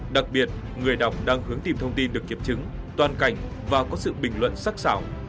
đặc biệt người đọc đang hướng tìm thông tin được kiểm chứng toàn cảnh và có sự bình luận sắc xảo